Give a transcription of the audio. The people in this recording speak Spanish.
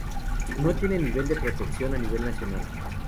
No tiene nivel de protección a nivel nacional.